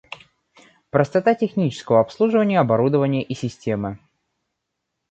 Простота технического обслуживания оборудования и системы